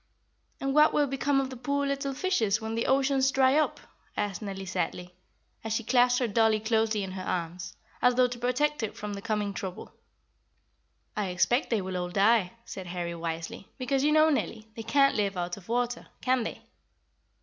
"And what will become of the poor little fishes when the oceans dry up?" asked Nellie sadly, as she clasped her dollie closely in her arms, as though to protect it from the coming trouble. "I expect they will all die," said Harry wisely; "because you know, Nellie, they can't live out of water. Can they?"